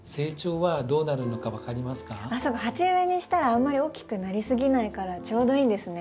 あっそうか鉢植えにしたらあんまり大きくなりすぎないからちょうどいいんですね。